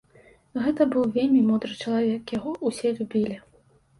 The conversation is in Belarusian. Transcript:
Гэта быў вельмі мудры чалавек, яго ўсе любілі.